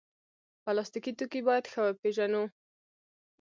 پلاستيکي توکي باید ښه وپیژنو.